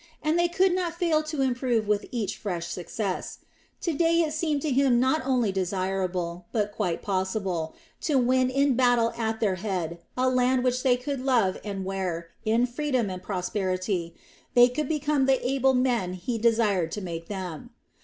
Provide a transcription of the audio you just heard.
And they could not fail to improve with each fresh success. To day it seemed to him not only desirable, but quite possible, to win in battle at their head a land which they could love and where, in freedom and prosperity, they could become the able men he desired to make them.